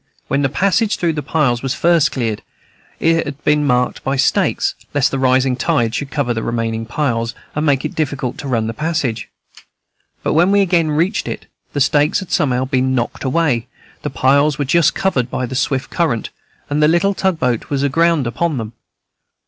When the passage through the piles was first cleared, it had been marked by stakes, lest the rising tide should cover the remaining piles, and make it difficult to run the passage. But when we again reached it, the stakes had somehow been knocked away, the piles were just covered by the swift current, and the little tug boat was aground upon them.